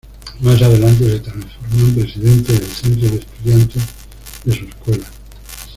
Más adelante se transformó en presidenta del Centro de Estudiantes de su escuela.